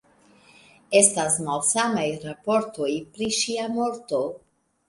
Estas malsamaj raportoj pri ŝia morto.